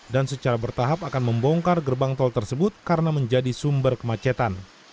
dan secara bertahap akan membongkar gerbang tol tersebut karena menjadi sumber kemacetan